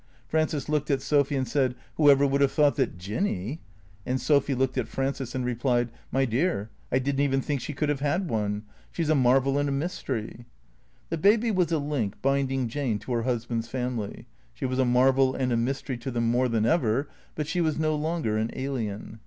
Frances looked at Sopliy and said, "\Vhoever would have thought that Jinny ?" And Sophy looked at Frances and replied, " My dear, I didn't even think she could have had one. She's a marvel and a mystery." The baby was a link binding Jane to her husband's family. She was a marvel and a mystery to them more than ever, but she was no longer an alien.